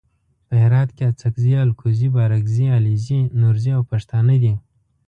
په هرات کې اڅګزي الکوزي بارګزي علیزي نورزي او پښتانه دي.